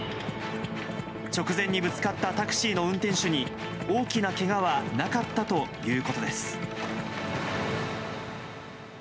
直前にぶつかったタクシーの運転手に大きなけがはなかったということです。